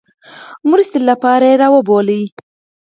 مرستې لپاره را وبولي.